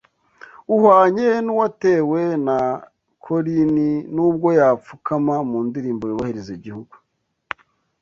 uhwanye n’uwatewe na Colini ubwo yapfukama mu ndirimbo yubahiriza igihugu